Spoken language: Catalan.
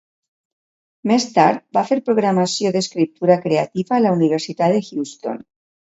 Més tard va fer programació d'escriptura creativa a la Universitat de Houston.